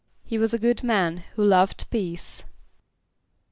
=He was a good man, who loved peace.